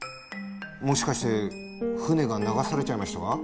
「もしかして船が流されちゃいましたか？